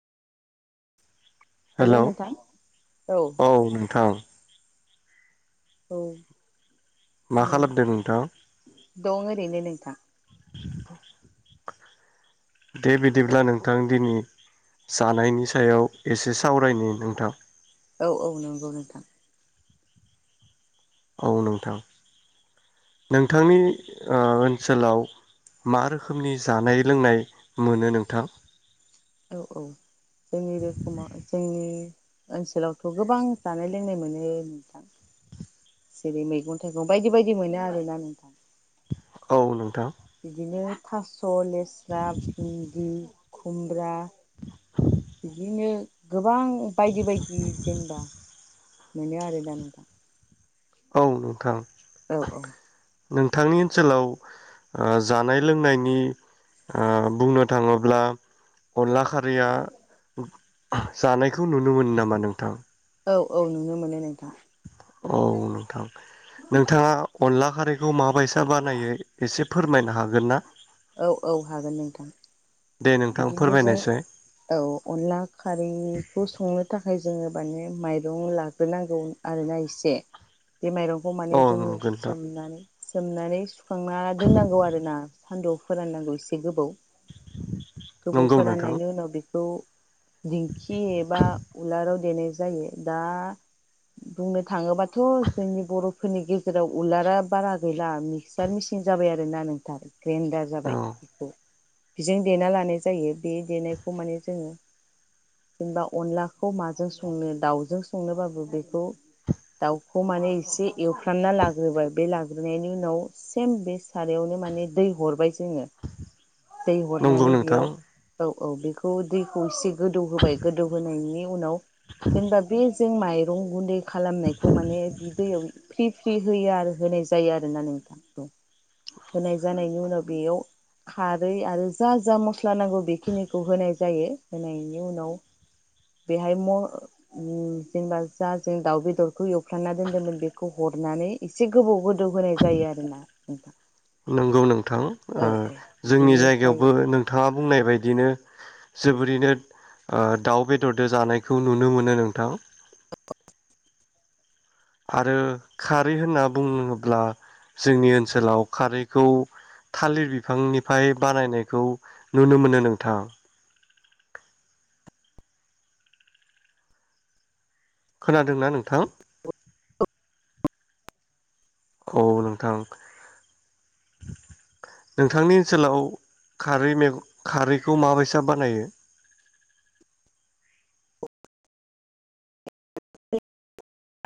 Hello औ नोंथां। औ। मा मोन खालामदों नोंथां दं ओरैनो नोंथां। दे बिदिब्ला नोंथां दिनै जानायनि सायाव एसे सावरायनि नोंथां। औ औ नंगौ नोंथां। औ नोंथां नोंथांनि ओ ओनसोलाव मा रोखोमनि जानाय लोंनाय मोनो नोंथां? औ औ जोंनि रोखोमा जोंनि ओनसोलावथ' गोबां जानाय लोंनाय मोनो नोंथां जेरै मैगं थाइगं बायदि बायदि मोनो आरोना नोंथां। औ नोंथां। बिदिनो थास स' लेस्रा भिन्दि खुमब्रा बिदिनो गोबां बायदि बायदि जेनबा। मोनो आरो ना नोंथां। औ नोंथां। औ औ। नोंथांनि ओनसोलाव ओ जानाय लोंनायनि ओ बुंनो थाङोब्ला अनला खारिया जानायखौ नुनो मोनो नामा नोंथां? औ औ नुनो मोनो नोंथां। औ नोंथां नोंथाङा अनला खारैखौ माब बैसा बानायो एसे फोरमायनो हागोन ना? औ औ हागोन नोंथां। दे नोंथां बिदिनो जों फोरमायनायसाय औ अनला खारैखौ संनोखौ थाखाय जोङो माने माइरं लाग्रोनांगौ आरोना एसे बे माइरंखौ माने औ जोङो नंगौ नोंथां सोमनानै सोमनानै सुखांना दोननांगौ आरो ना। सान्दुंआव फोराननांगौ एसे गोबाव। गोबाव नंगौ नोंथां फोराननायनि उनाव बेखौ दिंखि एबा उलाराव देनाय जायो दा बुंनो थाङोबा थ' जोंनि बर'फो रनि गेजेराव उलारा बारा गै ला मिक्सार मिसिन जाबाय आरो। जोंना नोंथां ग्रेन्दार जाबाय औ बेखौ बिजों देना लाना य जायो बे देनायखौ माने जोङो जेनबा अनलाखौ माजों संनो दावजों संनो बाबो बेखौ दावखौ माने एसे एवफ्रामना नागोबा बे लाग्रोनायनि बेनि उनाव सेम सारयावनो माने दै हरबाय जोङो दै नंगौ हरनानै नोंथां बेयाव औ औ बेखौ दै एसे गोदौ होबाय गोदौ होनायनि उनाव जेनबा बे जों माइरं गुन्दै खालामनायखौ माने बि दैयाव फ्रि फ्रि होयो आरो होनाय जायो आरोना नोंथां होनाय जानायनि उनाव बेयाव खारै आरो जा जा मस स्ला नांगौ बेखिनिखौ होनाय जायो होनायनि उनाव बेहाय म ओ जेनबा जा जों दाउ बेदरखौ एवफ्रामना दोनदोंमोन बेखौ हरनानै एसे गोबाव गोद नंगौ नोंथां ओ औ जोंनि बिदिनो जायो जायगायावबो नोंथाङा बुंनाय बायदिनो जोबोरैनो ओ दाउ बेदरजों जानायखौ नुनो मोनो नोंथां। आरो खारै होनना बुङोब्ला जोंनि ओनसोलाव खारैखौ थालिर बिफांनिफ्राय बानायनायखौ नुनो मोनो नोंथां। खोनादोंना नोंथां। औ नोंथां नोंथांनि ओनसोलाव खारै मेग खारैखौ माबायसा बानायो?